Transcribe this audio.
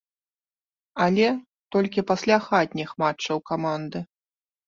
Але толькі пасля хатніх матчаў каманды.